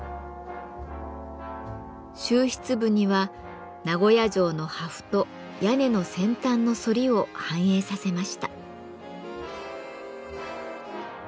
終筆部には名古屋城の破風と屋根の先端の反りを反映させました。